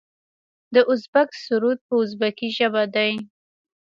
د ازبک سرود په ازبکي ژبه دی.